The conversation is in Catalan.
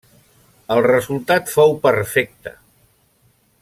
El resultat fou perfecte.